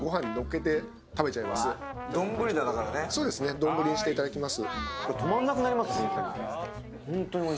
丼にしていただきます。